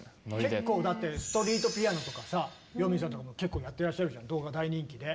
結構だってストリートピアノとかさよみぃさんとかも結構やってらっしゃるじゃない動画大人気で。